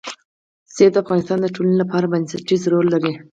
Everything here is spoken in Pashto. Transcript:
منی د افغانستان د ټولنې لپاره بنسټيز رول لري.